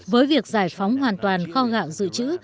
với việc giải phóng hoàn toàn kho gạo dự trữ